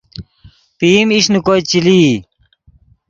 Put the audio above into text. پئیم ایش نے کوئے چے لئی